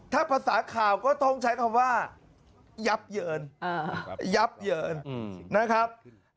ถ้าภาษาข่าวก็ต้องใช้คำว่ายับเยินยับเยินนะครับ